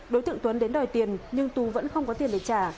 đối tượng tuấn đến đòi tiền nhưng tú vẫn không có tiền để trả